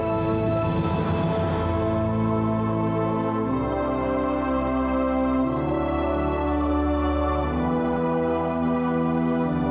kau mau menipu atau tak